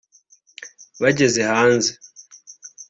Bageze hanze